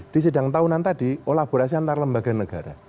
di sidang tahunan tadi kolaborasi antar lembaga negara